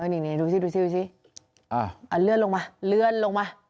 นี่ดูสิเอาเลื่อนลงมา